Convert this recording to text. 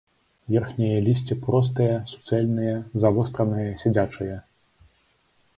Верхняе лісце простае, суцэльнае, завостранае, сядзячае.